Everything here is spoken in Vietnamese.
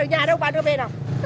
ở nhà đâu bà đưa về nào